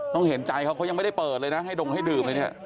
ต้องเห็นใจเขาเขายังไม่ได้เปิดเลยนะให้ดรมให้ดื่มเลย